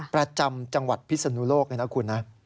ประจำจังหวัดพิศนุโลกเลยนะคุณนะ